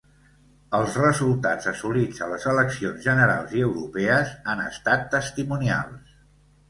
Els resultats assolits a les eleccions generals i europees han estat testimonials.